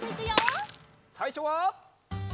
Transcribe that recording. さいしょは。